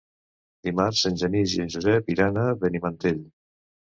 Dimarts en Genís i en Josep iran a Benimantell.